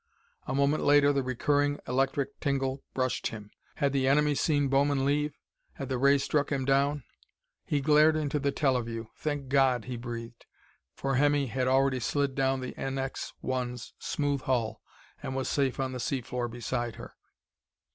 A moment later the recurring electric tingle brushed him. Had the enemy seen Bowman leave? Had the ray struck him down? He glared into the teleview. "Thank God!" he breathed. For Hemmy had already slid down the NX 1's smooth hull and was safe on the sea floor beside her.